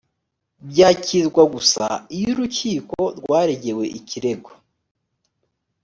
byakirwa gusa iyo urukiko rwaregewe ikirego